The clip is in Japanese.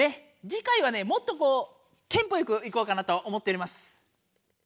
次回はねもっとこうテンポよくいこうかなと思っております。